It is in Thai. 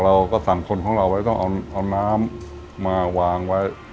เราก็สั่งคนของเราไว้ต้องเอาน้ำมาวางไว้